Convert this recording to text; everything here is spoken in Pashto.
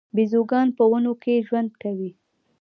بیزوګان په ونو کې ژوند کوي